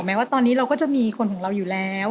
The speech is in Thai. ว่าตอนนี้เราก็จะมีคนของเราอยู่แล้ว